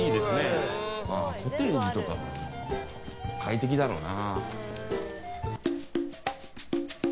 コテージとかも快適だろうな。